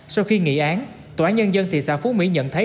sau khi nghị án tòa án nhân dân thị xã phú mỹ nhận thấy